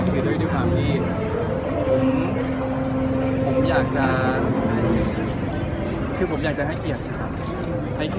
คือด้วยความที่ผมอยากจะคือผมอยากจะให้เกียรตินะครับ